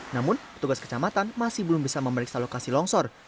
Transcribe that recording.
namun petugas kecamatan masih belum bisa memeriksa lokasi longsor